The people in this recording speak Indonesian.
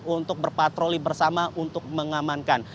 untuk berpatroli bersama untuk mengamankan